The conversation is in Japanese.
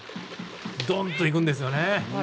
ドン！といくんですよね。